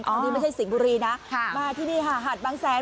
ที่นี่ไม่ใช่สิงบุรีนะค่ะมาที่นี่ค่ะหาดบางแสง